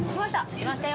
着きました。